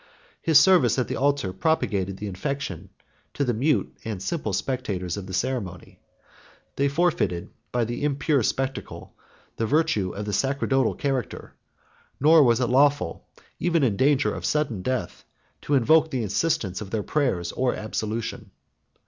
His service at the altar propagated the infection to the mute and simple spectators of the ceremony: they forfeited, by the impure spectacle, the virtue of the sacerdotal character; nor was it lawful, even in danger of sudden death, to invoke the assistance of their prayers or absolution.